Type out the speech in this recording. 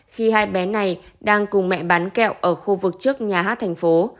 khi hai bé này đang cùng mẹ bán kẹo ở khu vực trước nhà hát thành phố